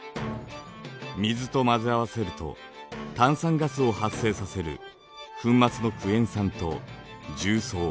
水と混ぜ合わせると炭酸ガスを発生させる粉末のクエン酸と重曹。